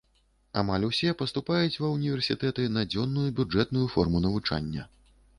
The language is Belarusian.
Амаль усе паступаюць ва ўніверсітэты на дзённую бюджэтную форму навучання.